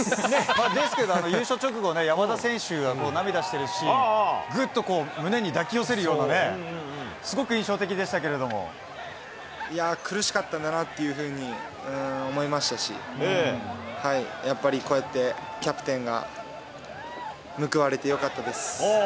ですけど、優勝直後、山田選手が涙してるシーン、ぐっとこう、胸に抱き寄せるようなね、すごく苦しかったんだなっていうふうに思いましたし、やっぱりこうやって、キャプテンが報われてよかったです。